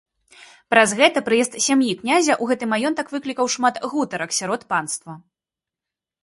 Праз гэта прыезд сям'і князя ў гэты маёнтак выклікаў шмат гутарак сярод панства.